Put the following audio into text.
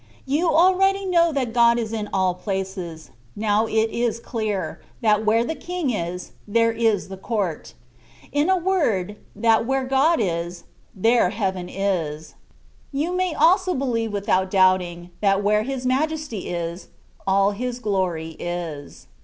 You already know that God is in all places ; now it is clear, that where the king is, there is the court ; in a word, that where God is, there Heaven is : you may also believe without doubting, that where His Majesty is, all His glory is.